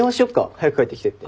早く帰ってきてって。